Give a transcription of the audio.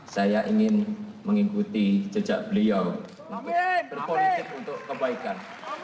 saya ingin mengikuti cecak beliau untuk berpolitik untuk kebaikan